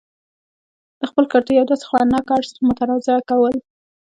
دخپل کلتور يو داسې خوند ناک اړخ متنازعه کول